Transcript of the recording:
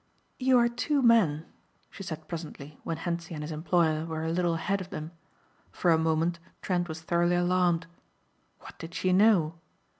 "You are two men," she said presently when Hentzi and his employer were a little ahead of them. For a moment Trent was thoroughly alarmed. What did she know?